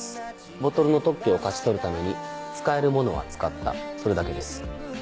ボトルの特許を勝ち取るために使えるものは使ったそれだけです。